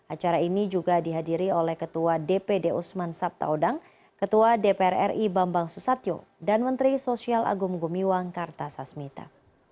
acara ini juga dihadiri oleh ketua dpd usman sabtaodang ketua dpr ri bambang susatyo dan menteri sosial agung gumiwang kartasasmita